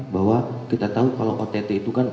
bahwa kita tahu kalau ott itu kan